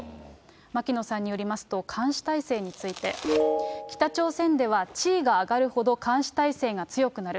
牧野さんによりますと、監視体制について、北朝鮮では地位が上がるほど、監視体制が強くなる。